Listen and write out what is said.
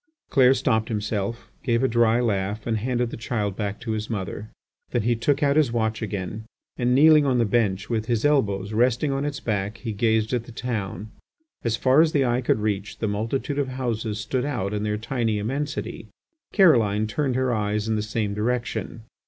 Clair stopped himself, gave a dry laugh, and handed the child back to his mother. Then he took out his watch again, and kneeling on the bench with his elbows resting on its back he gazed at the town. As far as the eye could reach, the multitude of houses stood out in their tiny immensity. Caroline turned her eyes in the same direction.